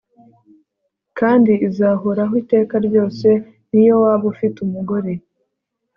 kandi izahoraho iteka ryose, niyo waba ufite umugore